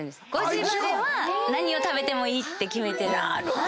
５時までは何を食べてもいいって決めてる。